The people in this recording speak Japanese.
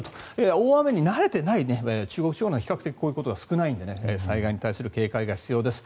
大雨に慣れていない中国地方はこういうことが少ないので災害に対する警戒が必要です。